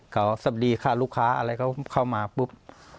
เขาสบดีค่ะลูกค้าอะไรเข้ามาปุ๊บ